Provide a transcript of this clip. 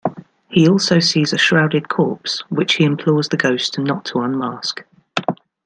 He also sees a shrouded corpse, which he implores the Ghost not to unmask.